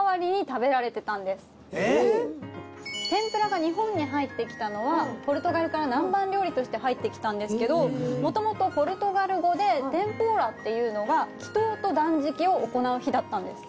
天ぷらが日本に入ってきたのはポルトガルから南蛮料理として入ってきたんですけどもともとポルトガル語でテンポーラっていうのが祈祷と断食を行う日だったんです。